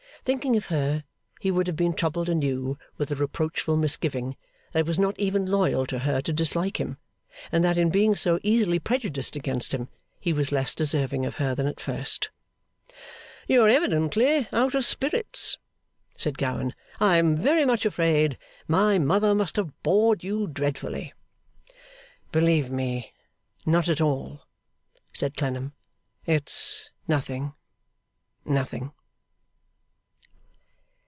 Thinking of her, he would have been troubled anew with a reproachful misgiving that it was not even loyal to her to dislike him, and that in being so easily prejudiced against him he was less deserving of her than at first. 'You are evidently out of spirits,' said Gowan; 'I am very much afraid my mother must have bored you dreadfully.' 'Believe me, not at all,' said Clennam. 'It's nothing nothing!